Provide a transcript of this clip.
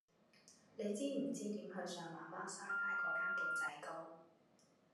你知唔知點去上環孖沙街嗰間缽仔糕